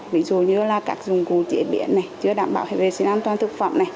ví dụ như các dùng cụ chế biến chứa đảm bảo vệ sinh an toàn thực phẩm